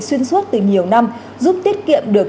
xuyên suốt từ nhiều năm giúp tiết kiệm được